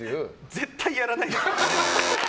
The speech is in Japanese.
絶対やらないです。